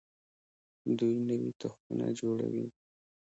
دوی نوي تخمونه جوړوي.